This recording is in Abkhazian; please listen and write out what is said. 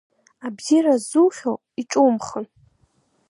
Абзиара ззухьоу иҿумхын.